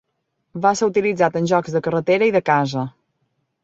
Va ser utilitzat en jocs de carretera i de casa.